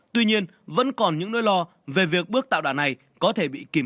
tuy nhiên vẫn còn những nỗi lo về việc bước tạo đà này có thể bị kìm